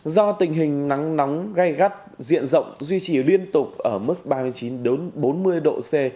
do tình hình nắng nóng gai gắt diện rộng duy trì liên tục ở mức ba mươi chín bốn mươi độ c